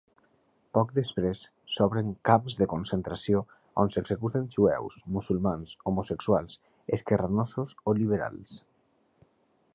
Poc després s'obren camps de concentració on s'executen jueus, musulmans, homosexuals, esquerranosos o liberals.